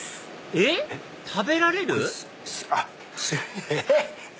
えっ食べられる⁉え⁉